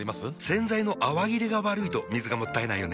洗剤の泡切れが悪いと水がもったいないよね。